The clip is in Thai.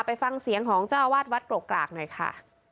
ไปฟังเสียงของเจ้าอาวาสวัดกรกกรากหน่อยค่ะ